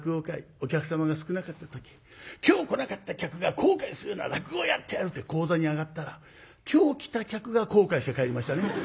お客様が少なかった時「今日来なかった客が後悔するような落語をやってやる」って高座に上がったら今日来た客が後悔して帰りましたね。